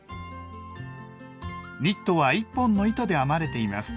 ニットは１本の糸で編まれています。